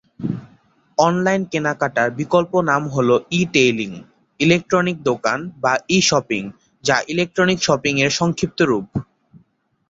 Online কেনাকাটার বিকল্প নাম হল "ই-টেইলিং", "ইলেকট্রনিক দোকান" বা "ই-শপিং", যা "ইলেকট্রনিক শপিং" এর সংক্ষিপ্ত রূপ।